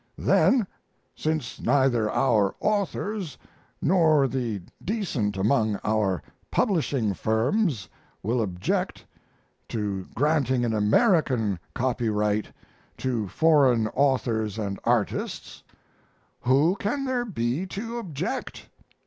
Then, since neither our authors nor the decent among our publishing firms will object to granting an American copyright to foreign authors and artists, who can there be to object?